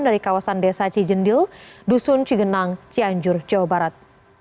dari kawasan desa cijendil dusun cigenang cianjur jawa barat